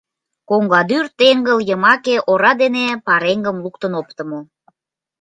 Коҥгадӱр теҥгыл йымаке ора дене пареҥгым луктын оптымо.